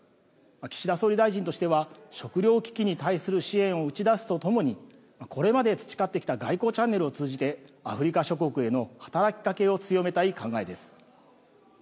岸田総理大臣としては、食料危機に対する支援を打ち出すとともに、これまで培ってきた外交チャンネルを通じて、アフリカ諸国への働きかけを強めたい考えです。